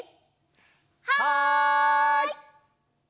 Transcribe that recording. はい！